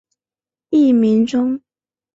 艺名中。